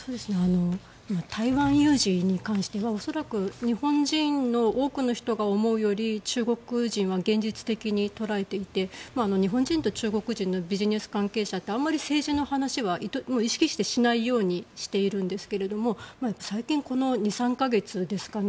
台湾有事に関しては恐らく日本人の多くの人が思うより中国人は現実的に捉えていて日本人と中国人のビジネス関係者ってあまり政治の話は意識してしないようにしているんですが最近、この２３か月ですかね